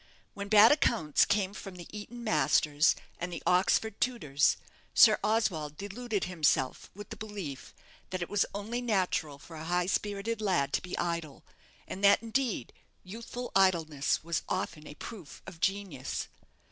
When bad accounts came from the Eton masters and the Oxford tutors, Sir Oswald deluded himself with the belief that it was only natural for a high spirited lad to be idle, and that, indeed, youthful idleness was often a proof of genius.